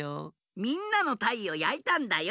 みんなの「たい」をやいたんだよ。